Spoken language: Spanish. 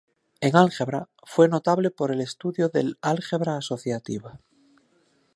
En álgebra, fue notable por el estudio del álgebra asociativa.